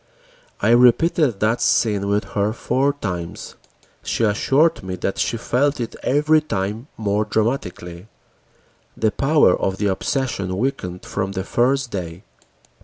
I repeated that scene with her four times. She assured me that she felt it every time more dramatically. The power of the obsession weakened from the first day.